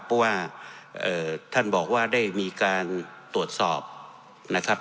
เพราะว่าท่านบอกว่าได้มีการตรวจสอบนะครับ